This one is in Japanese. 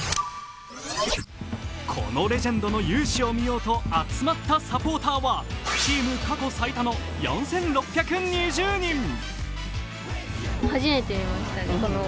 このレジェンドの雄姿を見ようと集まったサポーターはチーム過去最多の４６２０人！